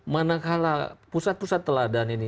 manakala pusat pusat teladan ini